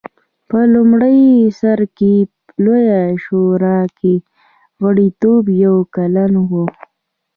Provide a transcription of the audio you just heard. په لومړي سر کې په لویه شورا کې غړیتوب یو کلن و